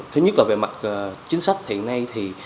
thứ nhất là về mặt chính sách hiện nay